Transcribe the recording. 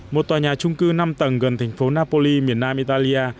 một tòa nhà trung cư năm tầng gần thành phố napoli miền nam italia